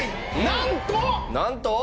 なんと。